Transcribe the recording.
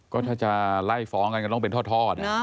ก็ถ้าจะไล่ฟ้องกันก็ต้องเป็นทอด